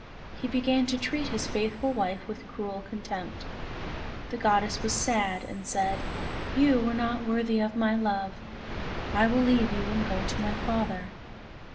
He began to treat his faithful wife with cruel contempt. The goddess was sad, and said: "You are not worthy of my love. I will leave you and go to my father."